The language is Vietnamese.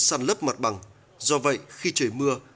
săn lấp mặt bằng do vậy khi trời mưa